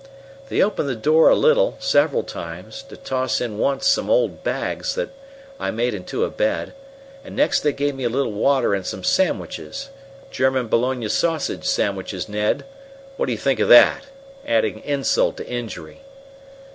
"They opened the door a little, several times, to toss in once some old bags that I made into a bed, and next they gave me a little water and some sandwiches German bologna sausage sandwiches, Ned! What do you think of that adding insult to injury?"